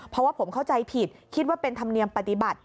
เพราะว่าผมเข้าใจผิดคิดว่าเป็นธรรมเนียมปฏิบัติ